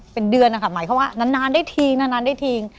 เป็นเดือนนะคะหมายความว่านานได้ทีง